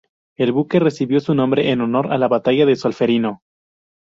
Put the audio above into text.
El buque recibió su nombre en honor a la Batalla de Solferino.